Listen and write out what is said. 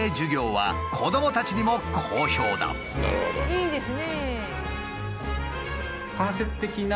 いいですね！